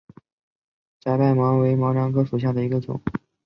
窄瓣毛茛为毛茛科毛茛属下的一个种。